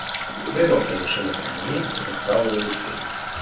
Три роки лишитися мені без правої руки.